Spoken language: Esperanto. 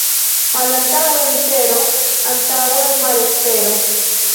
Malantaŭe mizero, antaŭe malespero.